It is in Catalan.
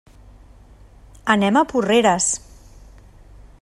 Anem a Porreres.